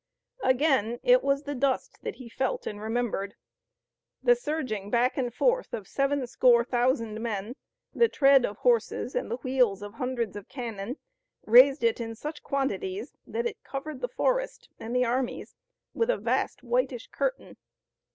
Again it was the dust that he felt and remembered. The surging back and forth of seven score thousand men, the tread of horses and the wheels of hundreds of cannon raised it in such quantities that it covered the forest and the armies with a vast whitish curtain.